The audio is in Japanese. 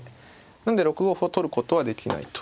なので６五歩を取ることはできないと。